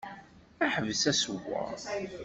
Ḥbes aṣewwer!